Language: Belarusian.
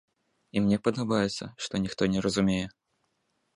І мне падаецца, што ніхто не разумее.